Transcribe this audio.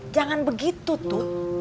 jangan begitu tut